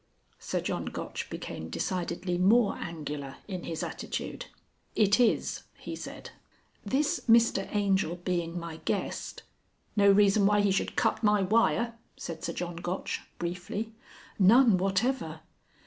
Sir John Gotch became decidedly more angular in his attitude. "It is," he said. "This Mr Angel being my guest " "No reason why he should cut my wire," said Sir John Gotch, briefly. "None whatever."